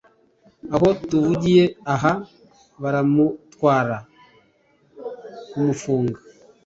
aho tuvugiye aha baramutwara kumufunga